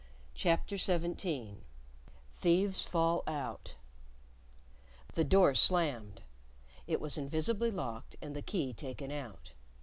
CHAPTER XVII. THIEVES FALL OUT The door slammed. It was invisibly locked and the key taken out.